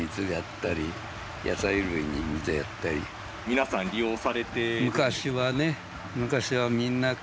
皆さん利用されて？